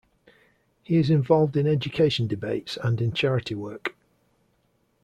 He is involved in education debates and in charity work.